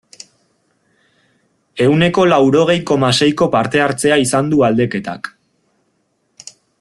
Ehuneko laurogei, koma, seiko parte-hartzea izan du galdeketak.